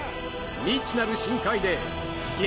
未知なる深海で激